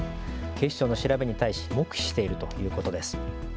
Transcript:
警視庁の調べに対し黙秘しているということです。